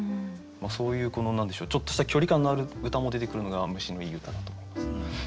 そういうこのちょっとした距離感のある歌も出てくるのが虫のいい歌だと思います。